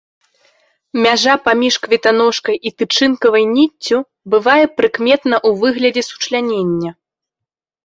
Мяжа паміж кветаножкай і тычынкавай ніццю бывае прыкметна ў выглядзе сучлянення.